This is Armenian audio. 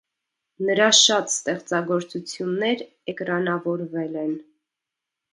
Նրա շատ ստեղծագործություններ էկրանավորվել են։